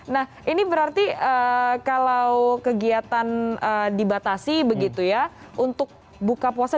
nah ini berarti kalau kegiatan dibatasi begitu ya untuk buka puasa